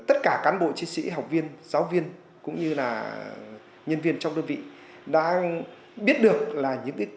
tất cả cán bộ chiến sĩ học viên giáo viên cũng như là nhân viên trong đơn vị đã biết được là những